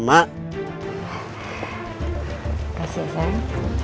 makasih ya sayang